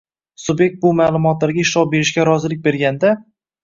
subyekt bu ma’lumotlarga ishlov berishga rozilik berganda;